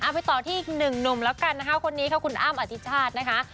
ไปต่อที่อีกหนึ่งหนุ่มแล้วกันนะคะคนนี้ค่ะคุณอ้ำอธิชาตินะคะ